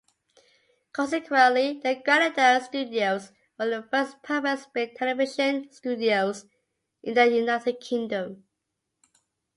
Consequently, the Granada Studios were the first purpose-built television studios in the United Kingdom.